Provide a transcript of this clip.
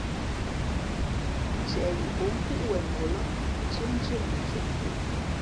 Ntieꞌ yi ǒ kúꞌ wenok lά, ntīēntíé nu tʉ̄ᾱ tú ō.